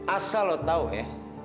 asal lo tau ya